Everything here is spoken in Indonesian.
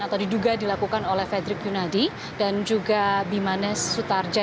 atau diduga dilakukan oleh fredrik yunadi dan juga bimanes sutarja